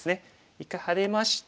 一回ハネまして。